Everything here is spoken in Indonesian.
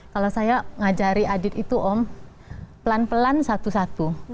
kalau saya ngajari adit itu om pelan pelan satu satu